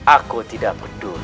aku tidak peduli